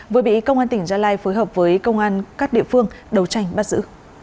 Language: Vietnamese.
vừa bị công an tỉnh gia lai phối hợp với công an các địa phương đấu tranh bắt giữ